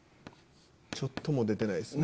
ちょっとも出てないですね。